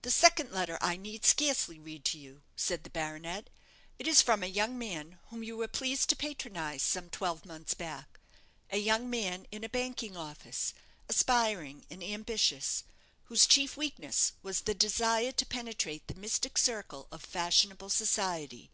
"The second letter I need scarcely read to you," said the baronet; "it is from a young man whom you were pleased to patronize some twelve months back a young man in a banking office, aspiring and ambitious, whose chief weakness was the desire to penetrate the mystic circle of fashionable society.